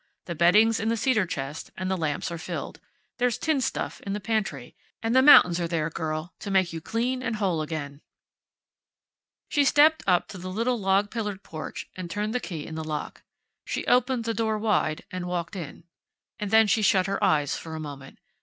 The bedding's in the cedar chest, and the lamps are filled. There's tinned stuff in the pantry. And the mountains are there, girl, to make you clean and whole again...." She stepped up to the little log pillared porch and turned the key in the lock. She opened the door wide, and walked in. And then she shut her eyes for a moment.